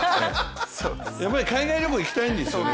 やっぱり海外旅行行きたいんですよね、